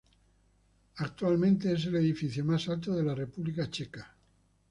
Actualmente, es el edificio más alto de la República Checa.